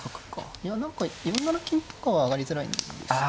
いや何か４七金とかは上がりづらいんですか。